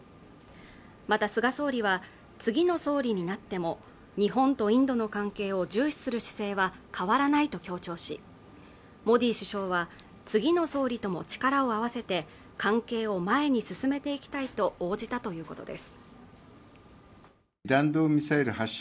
また菅総理は、次の総理になっても、日本とインドの関係を重視する姿勢は変わらないと強調し、モディ首相は次の総理とも力を合わせて関係を前に進めていきたいと応じたということです。